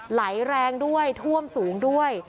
ไหลแรงด้วยท่วมสูงด้วย